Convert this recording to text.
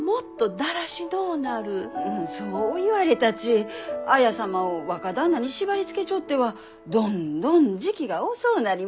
そう言われたち綾様を若旦那に縛りつけちょってはどんどん時期が遅うなります。